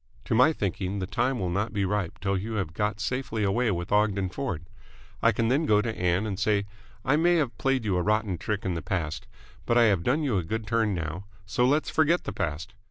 To my thinking, the time will not be ripe till you have got safely away with Ogden Ford. I can then go to Ann and say 'I may have played you a rotten trick in the past, but I have done you a good turn now, so let's forget the past!'